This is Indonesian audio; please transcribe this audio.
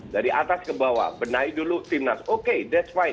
dari atas ke bawah benahi dulu timnas oke that's fine